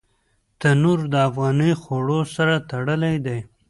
تنور د افغاني خوړو سره تړلی دی